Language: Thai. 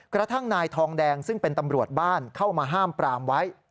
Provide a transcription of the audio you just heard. กระทั่งนายทองแดงซึ่งเป็นตำรวจบ้านเข้ามาห้ามปรามไว้